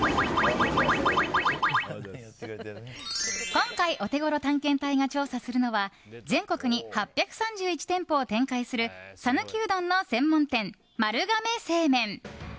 今回、オテゴロ探検隊が調査するのは全国に８３１店舗を展開する讃岐うどんの専門店、丸亀製麺。